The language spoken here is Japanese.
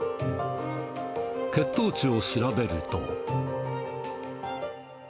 血糖値を調べると。